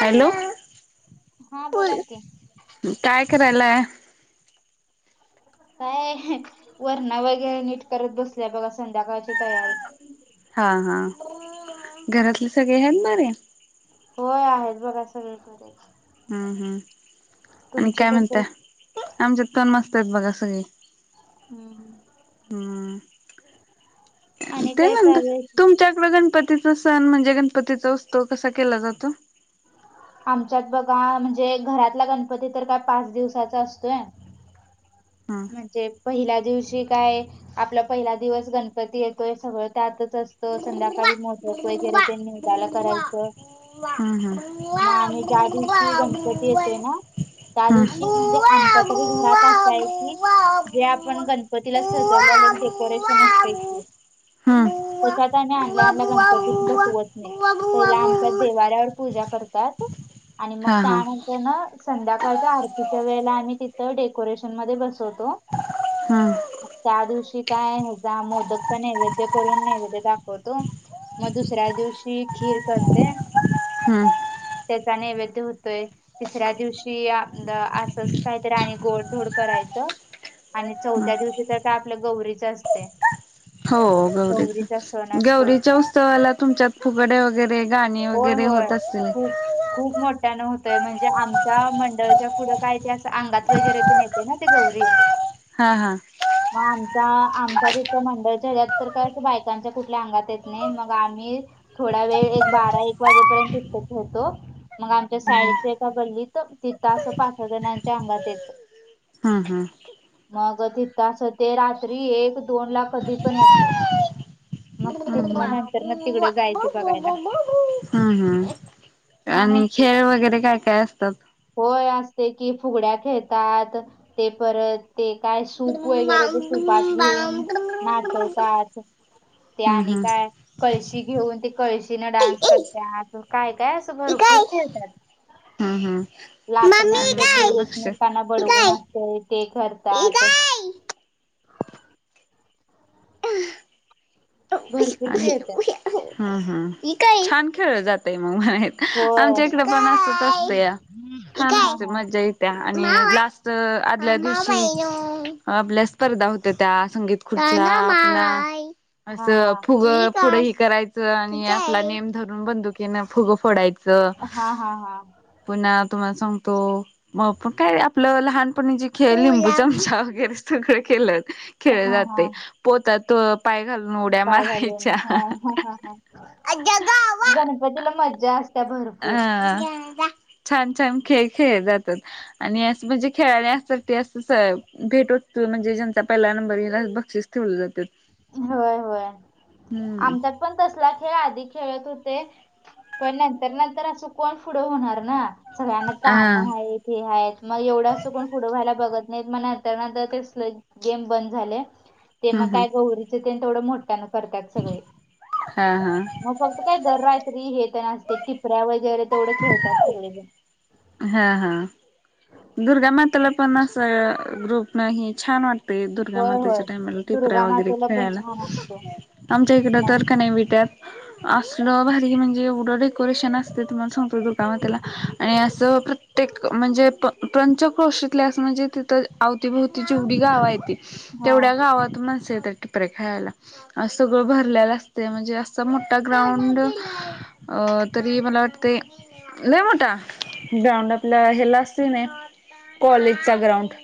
Hello हा बोला की काय करायलाय काय वरणा वगैरे नीट करत बसल्याय बघा संध्याकाळची तयारी हा हा घरातले सगळे आहेत बरे. होय आहेत बघा सगळी बरे येत. हम्म हम् आणि काय कसे म्हणता आमच्यात पण मस्त आहेत बघा सगळी. हम्म हम्म आणि ते काय नंतर चालू आहे तुमच्याकडे गणपतीत सण म्हणजे गणपतीचा उत्सव कसा केला जातो? आमच्यात बघा म्हणजे घरातला गणपती तर काय पाच दिवसाचा असतोय. हा म्हणजे पहिल्या दिवशी काय आपला पहिला दिवस गणपती येतोय सगळं त्यातच अस त संध्याकाळी मोटक वगैरे ते निवदला करायचं. हम्म म आम्ही ज्या दिवशी गणपती येतोय हम्म ना त्या दिवशी म्हणजे बुवा आमच्या तरी बुवा घरात असा आहे की बुवा जे आपण गणपतीला सजवलेले बुवा एक डेकोरेशन बुवा बुवा असतय बु की त्याच्यात आम्ही आणल्या बुवा बुवा बुवा आणल्या बुवा गणपती सुवत नाही बुवा बुवा पहिला आमच्या बुवा देवाऱ्यावर पूजा करतात आणि मग हा हा त्यान तर ना संध्याकाळच्या आरतीच्या वेळेला आम्ही तिथं डेकोरेशन मध्ये बसवतो हम्म त्या दिवशी काय ह्याचा मोदकचा नैवेद्य करून नैवेद्य दाखवतो. मग दुसऱ्या दिवशी खीर करते. हम्म त्याचा नेवैद्य होतोय. तिसऱ्या दिवशी असंच काहीतरी आणि गोडधोड करायचं. आणि चौथ्या दिवशी तर आपल्या गौरीच असतय. हो गौरीच असतो गौरीच्या उत्सवाला तुमच्यात फुगड्या वगैरे गाणी होय वगैरे होय होतअसतील. खूप खूप मोठ्यानं होतंय म्हणजे आमच्या मंडळाच्या पुुढं काय ते असं अंगात वगैरे ना ते गौरी. हा हा मग आमचा आमचा जथं मंडळ चेहऱ्यात तर काय बायकांच्या कुठल्या अंगात येत नाही मग आम्ही थोडा वेळ एक बारा एक वाजेपर्यंत खेळतो. मग आमच्या शाळेची एका गल्लीत तिथं असं पाच जणांच्या अंगात येत. हा हम्म, हम्म मग तिथ तास ते रात्री एक दोन ला कधी पण येते. मग हम्म तिथ हम्म ना नंतर मग बुवा तिकडं जाायचं बघायला. हम् हम् छान आणि असते खेळ ते वगैरे काय काय असतात होय असते की फुगड्या खेळतात ते परत ते काय सूप वगैरे ते सुपात हम्म घेऊन नाचवतात. ते आणि हम्म. काय कळशी घेऊन ते कळशी न डान्स करते काय काय असं घरपूर खळतात हा हा लाटण्याच ते एकमेकांना बडवून असतय ते करतात अं भरपूर खेळतात हम् हम काय छान खेळ जातय मग मणा होय आमच्या इकडे पण असच असता या छान हा असते हा मज्जा येती. आणि लास्ट आदल्या दिवशी आपल्या स्पर्धा होत्या त्या संगीत [unintelligible] हा हा फुग फुड ह करायचं आणि आपला नेम धरून बंदुकीनं फुग फोडायचं. अ हा हा हा पुन्हा तुम्हाला सांगतो मग पण काय आपलं लहानपणी जे खेळ लिंबू चमचा वगैरे सगळं केलं खेळ हा जाते हा पोतात पाय घा लड्या पाय घालून मारच्या हा हा जावा तला मजा असतते अ छान छान खेळ खेळ जातात आणि असं म्हणजे खेळाड अससाठी असं भेट होतो म्हणजे ज्यांचा पहिला नंबर बक्षस ठेवलं जातात होय होय हम्म आमच्यात पण तसला खेळ आधी खेळत होते पण नंतर नंतर असं कोण पुढं होणार ना सगळ्यांना काम हा आहेत ते आहेत मग एवढं अस कोण पुढं व्हायला बघत नाही मग नंतर ना तर तेसलं गेम बंद झाले ते हम् मग हम काय गहरीच ते थोडं मोठ्या न करतात सगळे हा हा मग फक्त काय दर रात्री हे तर नासते टिपऱ्या वगैरे तेवढं खेळतात सगळे जण हा हा दुर्गामाताला पण असं ग्रुप नाही छान वाटत ते होय होय दुर्गामातेच्या टाइमाला टिपऱ्या दुर्गा वगैरे मातेला पण खेळायला छान असतं आमच्या इकडं तर का नाही विटत असलं भारी म्हणजे एढं डेकोरेशन असते तुम्हाला सांगतो दुका म त्याला आणि जपत ते म्हणजे प पंचक्रोशीतले असं म्हणजे तिथं अवतीभोवती जेवढी गावं आहे त हा तेवढ्या गावात मणसेत टिपरे खेळायला सगळं भरलेलं असते म्हणजे असा मोठा ग्राउंड अ तरी मला वाटते नाही मोठा ग्राउंड आपल्या हे ला असतील ना कॉलेजचा ग्राउंड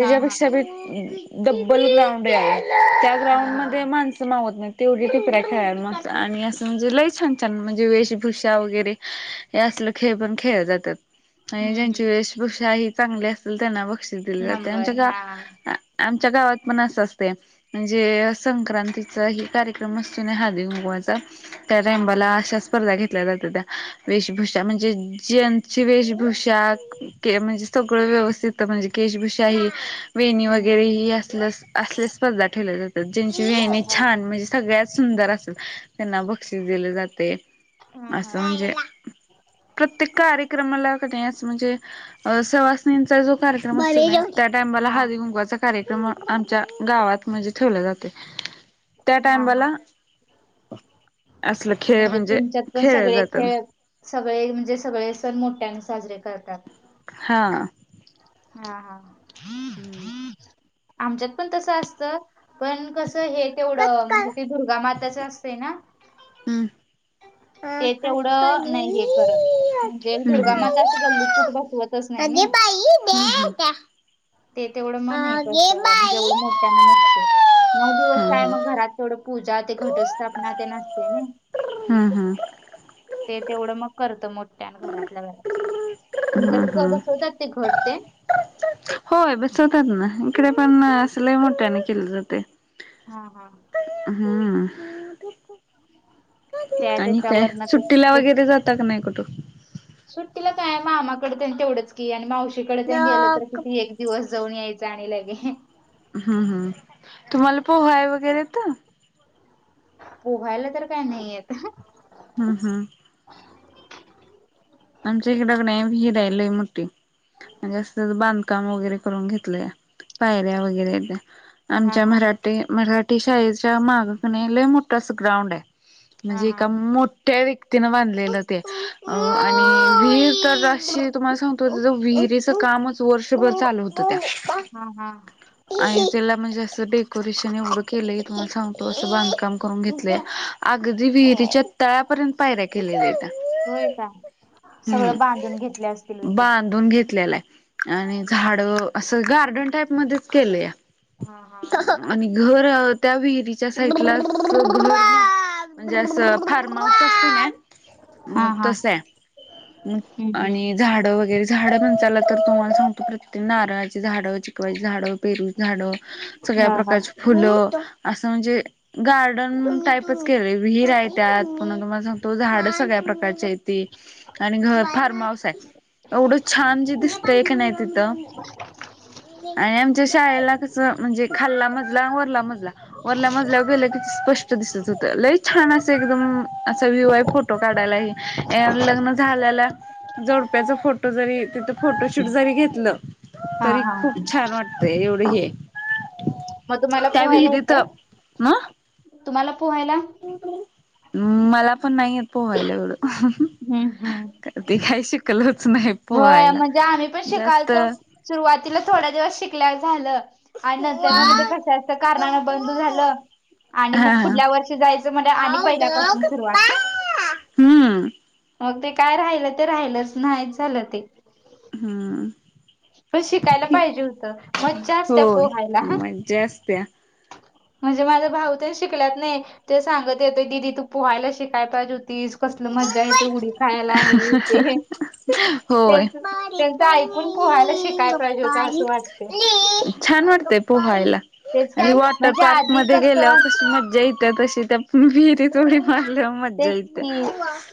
हा हा डब्बल ग्राउंड आहे त्या हा ग्राउंड हा मध्ये माणसं मावत नाही तेवढी टेपऱ्या खाल मस्त आणि अस म्हणजे लय छान छान म्हणजे वेशभूषा वगैरे हे असले खेळ पण खेळले जातात आणि हम्म ज्यांची हम्म वेशभूषा ही चांगली अस त्यांना बक्षीस दिली जाते आमच्या नंबर हा ग आमच्या गावात पण अस असते म्हणजे संक्रांतीचा ह कार्यक्रम असतोय हादी घगवाचा हा कांबाला अशा स्पर्धा घेतल्या जातात त्या वेशभूषा म्हणजे ज वेशभूषा म्हणजे सगळं व्यवस्थित म्हणजे वेशभूषा ही वेणी वगैरे हम्म ही असल असल्या स्पर्धा ठेवल्या जातात ज्यांची हा वेणी हा छान म्हणजे सगळ्यात सुंदर अस त्यांना बक्षीस दिले जाते हा हा असं म्हणजे प्रत्येक कार्यक्रमाला क म्हणजे सवासणीचा जो कार्यक्रम असे त्या टाइमाला हा हळदी गुंकवाचा कार्यक्रम आमच्या गावात म्हणजे ठेवला जाते त्या हा हा टाइमाला असलं खेळ म्हणजे तुमच्यात पण खेळ सगळे जात खेळ सगळे म्हणजे सगळे सण मोठ्याने साजरे करतात हा हा हा हम्म आमच्यात पण तस असत पण कस हे तेवढं बाई म्हण ते दुर्गा माताच असते ना ते तेवढं नाही हे करत म्हणजे दुर्गामाता असं गल्लीत कुठ बसवत अगे बाई दे आता. ते तेवढं मन आहे तस बाई जेवढ मोठ्यांना नसतं, नऊ हा दिवस काय हा. मग घरात तेवढं पूजा ते घटस्थापना ते आसत ना. हम्म हम्म ते तेवढं मग करत मोठ्या आणि घरातल्या घरात तुमच्यात हम्म पण हम्म. बसवतात ते घट ते होय बसवतात ना इकडे पण अस लय मोठ्याने केल जातय. हा हा! हा! त्या आणि काय त्याच्यावरनं ते सुट्टीला ते वगैरे जाता का नाही कुठं? सुट्टीला काय मामा कडे तेवढंच की आणि मावशीकडे गेलो तर नक किती एक दिवस जाऊन यायच आणि लगे हम् हम्! तुम्हाला पोहाय वगैरे येत? पोहायला तर काय नाही येत. हा हा! आमच्या इकडे कनाय विहीर आहे लई मोठी म्हणजे असं तेज बांधकाम वगैरे करून घेत लय पायऱ्या वगैरे हा आमच्या हा मरा ठी, मराठी शाळेच्या माग कनाय लय मोठ आस ग्राउंड आहे हा म्हणजे हा एका मोठ्या व्यक्तीनं बांधलेलं ते अ हा हा! विहीर तर अशी तुम्हाला सांगतो त्या विहिरीचं कामच वर्षभर चालू होतं त्या. हा हा! आणि त्याला म्हणजे असं डेकोरेशन एवढं केलंय तुमला सांगतो असं बांधकाम करून घेतलय, अगदी विहिरीच्या तळापर्यंत पायऱ्या केलेल्यात्या. होय का? सगळं बांधून घेतले असतील हम्, विहीर बांधून घेतलेला आहे आणि हा झाड असं गार्डन टाईप मध्येच केलंया. हा हा! आणि घर त्या विहिरीच्या साईडलाच घर म्हणजे असं फार र्महाऊस असत ना हा हा तस आहे. हम्म हम्म आणि झाड वगैरे, झाड म्हणचाला तर तुम्हाला सांगतो प्रर नारळाची झाडं, चिकवाची झाडं, पेरूची झाडं सगळ्या हां हां. प्रकारची फुलं असं म्हणजे गार्डन टाईपच केलं विहीर आहे. त्यात पुन्हा तुम्हाला सांगतो झाड सगळ्या प्रकारची हायती. आणि घर फार्म हाऊस आहे एवढं छान जे दिसतय की नाही तिथं! आणि आमच्या शाळेला कस म्हणजे खाल्ला मजला आण वरला मजला वरल्या मजल्यावर गेलं कि स्पष्ट दिसत होत लय छान असं एकदम असा व्हिव आहे. फोटो काढायला हे लग्न झाल्याला जोडप्याचा फोटो जरी तिथं फोटोशूट जरी घेतलं हां तरी हां. खूप छान वाटतंय एवढ हे आहे. मग तुम्हाला त्या पोहायला विहिरीत येतंय? म तुम्हाला पोहायला मला पण नाही येत पोहायला एवढं. हम्म हम्म! ते काय शिकलोच नाही. होय पोहायला म्हणजे आम्ही पण जास्त शिकालतो सुरुवातीला थोड्या दिवस शिकल्याव झालं. आणि नंतरन म ते हा कड्याच्या तर कारणान बंद झालं. आणि मग हा पुढल्या वर्षी जायचं म्हटलं आणि वाव डॉग पहिल्यापासून पप्पा. सुरुवात. हम्म! मग ते काय राहिलं ते राहिलच नाहीच झालं ते! हम्म! पण शिकायला पाहिजे होतं मज्जा असते होय पोहायला ह. मज्जा [inaudible] म्हणजे माझा भाऊ ते शिकल्यात नाय ते सांगत येत दिदी तू पोहायला शिकायला पाहिजे होतीस. कसल मज्जा येते उडी खायला हे ते होय. त्यांच ऐकून पोहायला शिकाय पाहिजे होतता असं वाटते. छान वाटतय पोहायला तेच आणि की वॉटर म्हणजे पार्क आधी मध्ये गेल्यावर कसं कशी मज्जा ये त्या तशी त्या विहिरीत उडी मारल्या. तेच की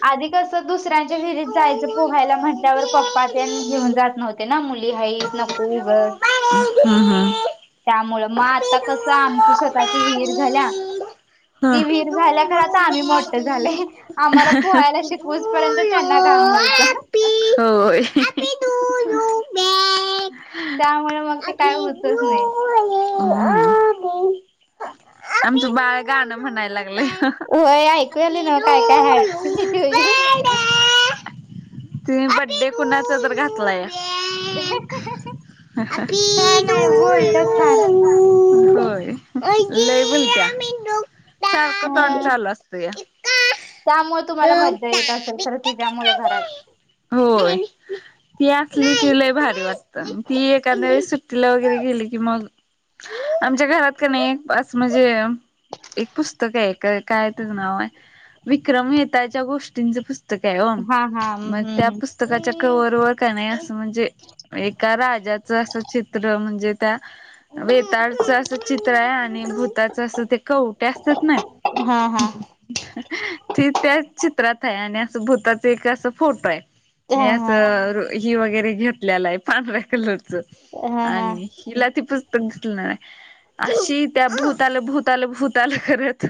आधी कस दुसऱ्यांच्या विहिरीत जायचं पोहायला म्हटल्यावर पप्पा तेन घेऊन जात नव्हते ना मुली हाईत नको उगच. [unintelligible] त्यामुळ मग आता कसं आमची स्वतःची विहीर झाल्या. हा. ती विहीर झाल्या खर आता आम्ही मोठ झाले आम्हाला पोहायला शिक ऊसपर्यंत त्यांना घाम यायचा. होय. त्यामुळे मग ते काय होतच नाही. आमच बाळ गाण म्हणयला लागलय. होय ऐकू यालय नव काय काय हैप्पी टूयू. तुम्ही बड्डे कुणाचा तर घातलाय. Happy to you. हां लइ बोलत्या सारक तोंड ह. चालू असतया. त्यामुळे तुम्हाला मज्जा येत असेल खरं तिच्यामुळ घरात. होय ती असली कि लइ भारी वाटत ती एखादवेळेस सुट्टीला वै गेरे गेली कि मग आमच्या घरात का नाही असं म्हणजे एक पुस्तक आहे का काय तचं नाव आहे विक्रम मेहताच्या गोष्टींच पुस्त काय हो हा हा मग हम्म त्या हम्म पुस्त काच्या कवर वर क नाही असं म्हणजे एका राजाचं असं चित्र म्हणजे त्या वेताळच असं चित्र आहे आणि भूताचं असं ते कवट्या असतात ना. हा हा. ती त्या चित्रात आहे आणि असं भूताच एक असं फोटो आहे. हा हे हा असं ही वगैरे घेतलेला आहे पांढऱ्या कलरच हा हा. आणि हिला ती पुस्तक घेतणार आहे अशी त्या भूताल भूताल भूताल करत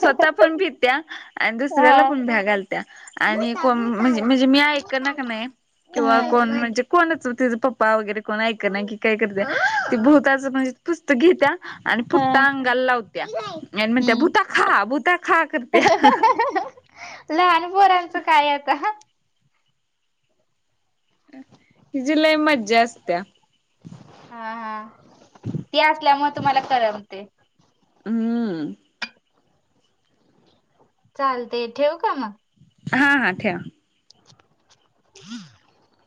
स्वतः पण भित्या आणि दुसऱ्याला हा पण भ्या घालत्या आणि कोन म्हणजे म्हणजे मी ऐक न का नाही किंवा हा कोण म्हणजे कोणच तिज प प्पा वगैरे कोण ऐक ना कि काय करते ती भुताच म्हणजे पुस्तक घेत्या आणि हा फुट्टा अंगाला लावत्या आणि म्हणत्या हम्म. भूता खा भूता खा करत्या. लहान पोरांचं काय आता. हिजी लइ मज्जा असत्या. हा हा ती असल्यामुळ तुम्हाला करमते. हम्म चालते ठेऊ का मग? हा हां ठेवा. [inaudible]